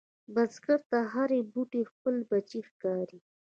بزګر ته هره بوټۍ خپل بچی ښکاري